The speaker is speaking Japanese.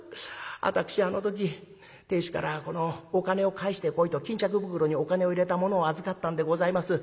私あの時亭主からこのお金を返してこいと巾着袋にお金を入れたものを預かったんでございます。